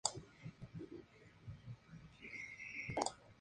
El anillo exterior del tablero está dividido en cuatro cuadrantes.